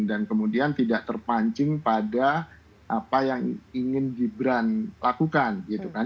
dan kemudian tidak terpancing pada apa yang ingin gibran lakukan gitu kan